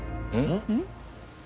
うん？